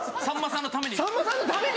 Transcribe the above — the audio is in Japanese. さんまさんのために。